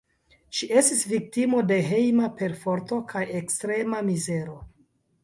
Ŝi estis viktimo de hejma perforto kaj ekstrema mizero.